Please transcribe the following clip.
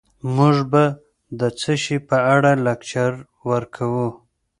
موږ به د څه شي په اړه لکچر ورکوو